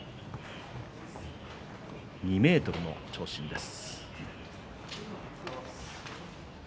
２ｍの長身です。